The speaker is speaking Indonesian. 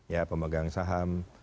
ya pemegang saham